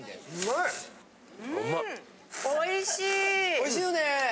おいしいよね？